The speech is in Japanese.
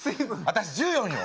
私１４よ！